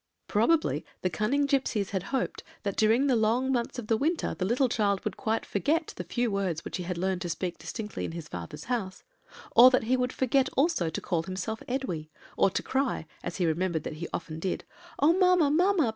"Probably the cunning gipsies had hoped that during the long months of winter the little child would quite forget the few words which he had learned to speak distinctly in his father's house, or that he would forget also to call himself Edwy; or to cry, as he remembered that he often did, 'Oh, mamma, mamma!